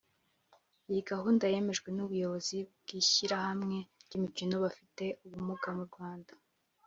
Iyi gahunda yemejwe n’Umuyobozi w’ishyirahamwe ry’imikino y’abafite ubumuga mu Rwanda